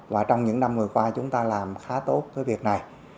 và trong những năm vừa qua chúng ta làm khá tốt cái việc này